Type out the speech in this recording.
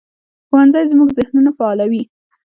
ښوونځی زموږ ذهنونه فعالوي